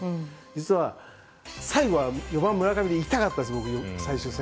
実は最後は４番、村上で行きたかったんです、最終戦。